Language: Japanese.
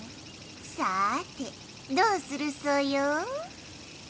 さてどうするソヨ？